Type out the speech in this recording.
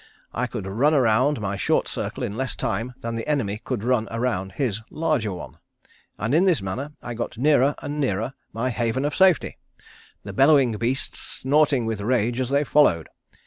I could run around my short circle in less time than the enemy could run around his larger one, and in this manner I got nearer and nearer my haven of safety, the bellowing beasts snorting with rage as they followed.